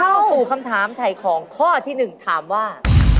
เข้าสู่คำถามถ่ายของข้อที่๑ถามว่า